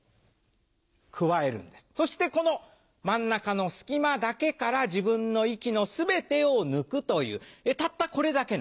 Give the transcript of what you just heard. くわえるんですそしてこの真ん中の隙間だけから自分の息の全てを抜くというたったこれだけなんです。